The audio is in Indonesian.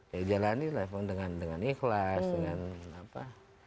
ya jalani lah pun dengan ikhlas dengan apa